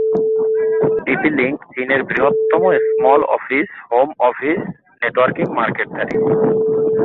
TP-Link চীনের বৃহত্তম small office home office networking মার্কেটধারী।